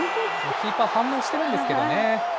キーパー反応してるんですけ